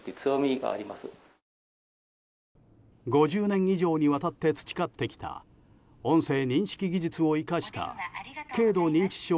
５０年以上にわたって培ってきた音声認識技術を生かした軽度認知症